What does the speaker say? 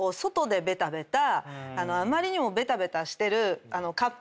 あまりにもベタベタしてる。